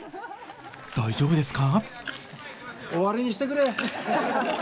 大丈夫ですか？